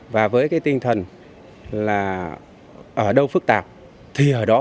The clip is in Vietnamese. và với cái tinh thần là ở đâu phức tạp thì ở đó phải phát triển